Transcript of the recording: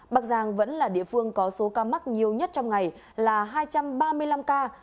bắc giang vẫn là địa phương có số ca mắc nhiều nhất trong ngày là hai trăm ba mươi năm ca